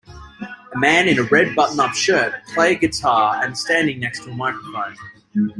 A man in a red button up shirt play a guitar and standing next to a microphone.